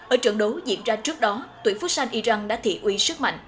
ở trận đấu diễn ra trước đó tuyển phúc san iran đã thị uy sức mạnh